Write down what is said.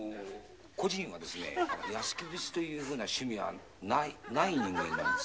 故人はですね安来節というふうな趣味はない人間なんです。